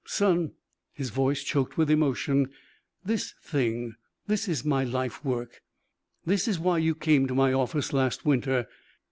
"Son" his voice choked with emotion "this thing this is my life work. This is why you came to my office last winter.